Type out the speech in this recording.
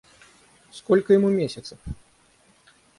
Сколько ему месяцев?